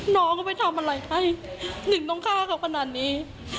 น้องเขาไปทำอะไรให้หนึ่งต้องฆ่าเขาขนาดนี้